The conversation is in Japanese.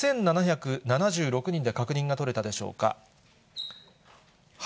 ６７７６人で確認が取れたでしょうか。